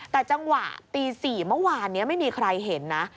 แต่จังหวะตี๔เมื่อวานนี้ไม่มีใครเห็นนะ